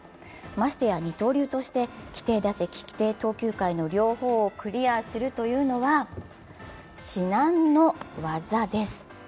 ましてや二刀流として規定打席・規定投球回の両方をクリアするというのは至難の業です。